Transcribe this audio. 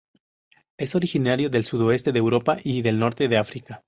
Es originario del sudoeste de Europa y del Norte de África.